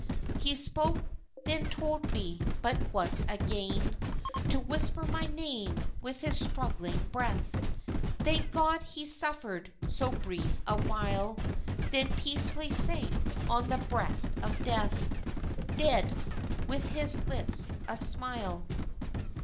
He spoke, they told me, but once again To whisper my name with his struggling breath (Thank God, he suffered so brief a while) Then peacefully sank on the breast of Death, Dead, with his lips asmile.